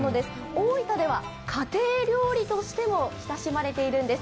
大分では家庭料理としても親しまれているんです。